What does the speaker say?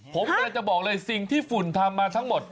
ผมกำลังจะบอกเลยสิ่งที่ฝุ่นทำมาทั้งหมด